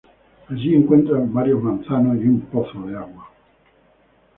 Allí encuentran varios manzanos y un pozo de agua.